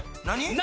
何？